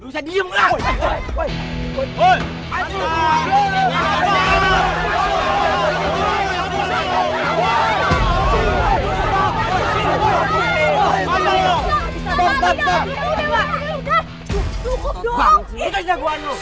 siapa gua tanya